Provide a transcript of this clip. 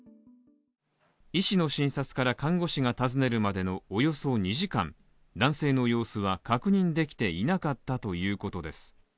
医師の診察から看護師が訪ねるまでのおよそ２時間、男性の様子は確認できていなかったということです。